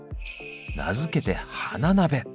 名付けて「花鍋」。